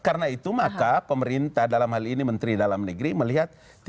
karena itu maka pemerintah dalam hal ini menteri dalam negeri melihat tidak ada yang menjadi kontroversi